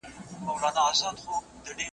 که تدریس منظم وي، ستونزې نه زیاتېږي.